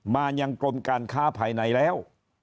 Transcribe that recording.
มายังกรมการค้าภายในแล้ว